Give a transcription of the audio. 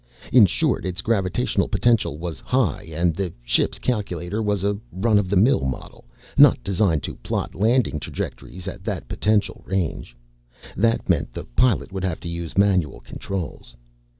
In short, its gravitational potential was high and the ship's Calculator was a run of the mill model not designed to plot landing trajectories at that potential range. That meant the Pilot would have to use manual controls.